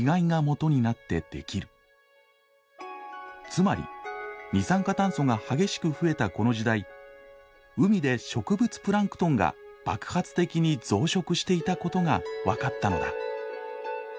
つまり二酸化炭素が激しく増えたこの時代海で植物プランクトンが爆発的に増殖していたことが分かったのだ。